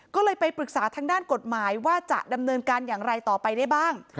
ก็เลยไปปรึกษาทางด้านกฎหมายว่าจะดำเนินการอย่างไรต่อไปได้บ้าง